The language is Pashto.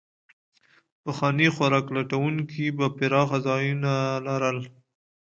پخواني خوراک لټونکي به پراخه ځایونه لرل.